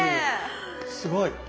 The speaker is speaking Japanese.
すごい。